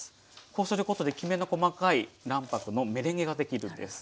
こうすることできめの細かい卵白のメレンゲができるんです。